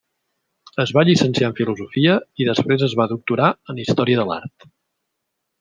Es va llicenciar en filosofia i després es va doctorar en història de l’art.